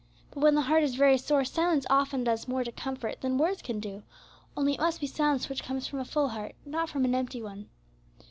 But when the heart is very sore, silence often does more to comfort than words can do, only it must be silence which comes from a full heart, not from an empty one.